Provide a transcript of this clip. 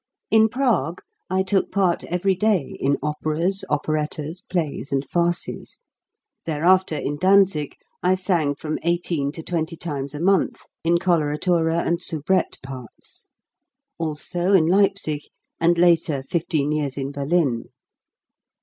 In Prague I took part every day in operas, operettas, plays, and farces. Thereafter in Danzig I sang from eighteen to twenty times a month in coloratura and soubrette parts ; also in Leipzig, and later, fifteen years in Berlin.